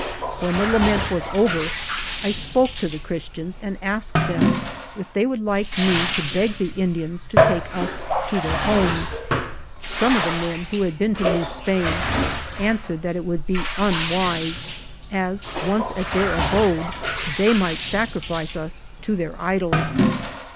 When the lament was over, I spoke to the Christians and asked them if they would like me to beg the In dians to take us to their homes. Some of 59 THE JOURNEY OF the men, who had been to New Spain, an swered that it would be unwise, as, once at their abode, they might sacrifice us to their idols.